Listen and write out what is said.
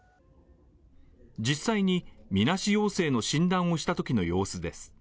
実際に、みなし陽性の診断をしたときの様子です。